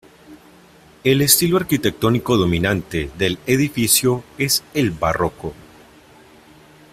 El estilo arquitectónico dominante del edificio es el barroco.